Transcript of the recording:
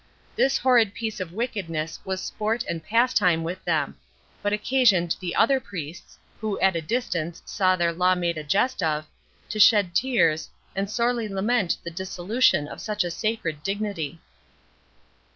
This horrid piece of wickedness was sport and pastime with them, but occasioned the other priests, who at a distance saw their law made a jest of, to shed tears, and sorely lament the dissolution of such a sacred dignity.